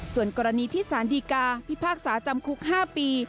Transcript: ส่วนกรณีที่สารดีกาพิพากษาจำคุก๕ปี